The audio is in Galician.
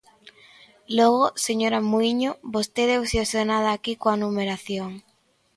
Logo, señora Muíño, vostede obsesionada aquí coa numeración.